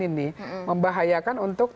ini membahayakan untuk